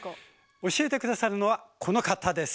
教えて下さるのはこの方です。